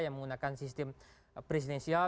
yang menggunakan sistem presidensial